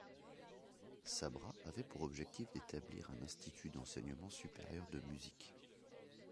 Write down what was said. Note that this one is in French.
Sabra avait pour objectif d'établir un institut d'enseignement supérieur de musique.